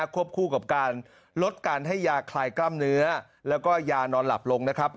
วบคู่กับการลดการให้ยาคลายกล้ามเนื้อแล้วก็ยานอนหลับลงนะครับ